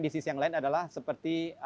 bisnis yang lain adalah seperti